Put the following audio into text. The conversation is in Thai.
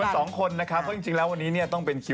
สวัสดีค่ะ